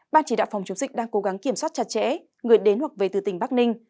ban chỉ đạo phòng chống dịch đang cố gắng kiểm soát chặt chẽ người đến hoặc về từ tỉnh bắc ninh